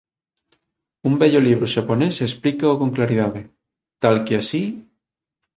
Un vello libro xaponés explícao con claridade, tal que así: